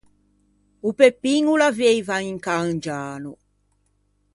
O Peppin o l’aveiva un can giano.